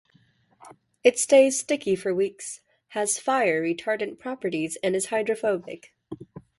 It stays sticky for weeks, has fire-retardant properties and is hydrophobic.